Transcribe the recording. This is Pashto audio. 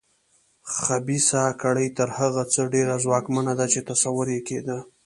خبیثه کړۍ تر هغه څه ډېره ځواکمنه ده چې تصور یې کېده.